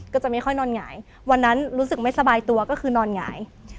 ก็จะไม่ค่อยนอนหงายวันนั้นรู้สึกไม่สบายตัวก็คือนอนหงาย